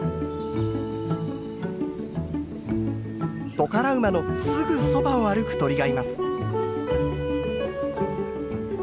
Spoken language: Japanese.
トカラ馬のすぐそばを歩く鳥がいます。